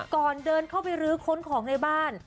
ก่อนเดินเข้าไปรื้อค้นของในบ้าน